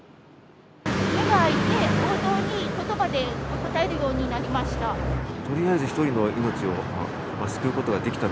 目が開いて、応答にことばで答えるようになりました。